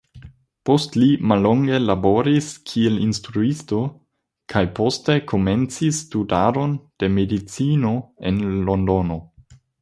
Post li mallonge laboris kiel instruisto, kaj poste komencis studadon de medicino en Londono.